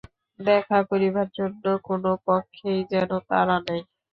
দেখা করিবার জন্য কোনো পক্ষেই যেন তাড়া নাই।